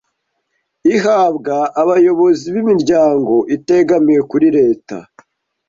ihabwa abayobozi b’imiryango itegamiye kuri Leta